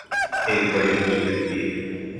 ایک بڑی حقیقت یہ ہے